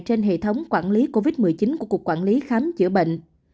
trên hệ thống quản lý covid một mươi chín của cục quản lý khám chữa bệnh